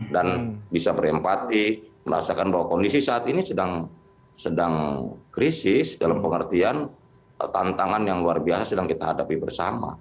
dan bisa berempati merasakan bahwa kondisi saat ini sedang krisis dalam pengertian tantangan yang luar biasa sedang kita hadapi bersama